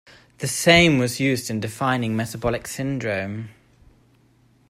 The same was used in defining metabolic syndrome.